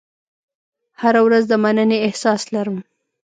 هره ورځ د مننې احساس لرم.